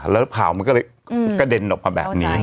แล้วข่าวมันก็เลยกระเด็นออกมาแบบนี้